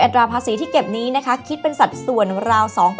ตราคุณผสีที่เก็บนี้คิดเป็นสัตว์ส่วนราว๒